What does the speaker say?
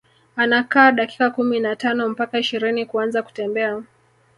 Anakaa dakika kumi na tano mpaka ishirini kuanza kutembea